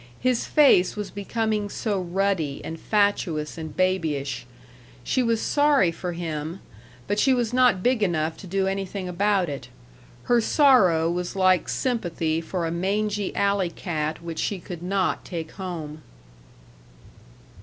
His face was becoming so ruddy and fatuous and babyish. She was sorry for him but she was not big enough to do anything about it. Her sorrow was like sympathy for a mangy alley cat which she could not take home.